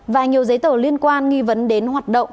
và nhiều giấy tờ liên quan nghi vấn đến hoạt động